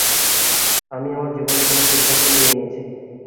আমি আমার জীবনের জন্য সিদ্ধান্ত নিয়ে নিয়েছি।